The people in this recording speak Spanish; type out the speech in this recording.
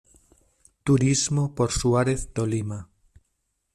Turismo por Suárez, Tolima.